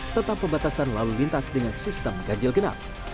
tentang pembatasan lalu lintas dengan sistem ganjil genap